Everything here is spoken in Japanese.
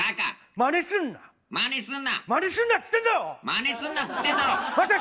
・まねすんなっつってんだろ！